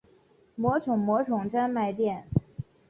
魔宠魔宠专卖店